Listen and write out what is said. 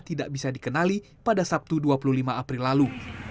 tidak bisa dikenali pada sabtu dua puluh lima april lalu